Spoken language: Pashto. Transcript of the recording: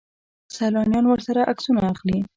سیلانیان ورسره عکسونه اخلي.